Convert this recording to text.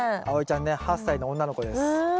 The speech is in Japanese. あおいちゃんね８歳の女の子です。